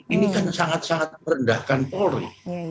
ini kan sangat sangat merendahkan polri